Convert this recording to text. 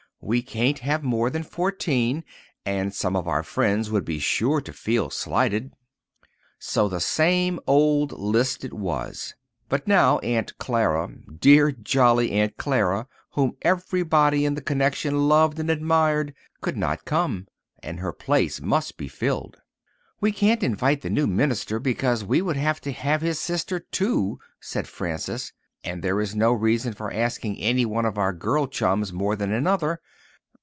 We can't have more than fourteen, and some of our friends would be sure to feel slighted." So the same old list it was. But now Aunt Clara—dear, jolly Aunt Clara, whom everybody in the connection loved and admired—could not come, and her place must be filled. "We can't invite the new minister, because we would have to have his sister, too," said Frances. "And there is no reason for asking any one of our girl chums more than another."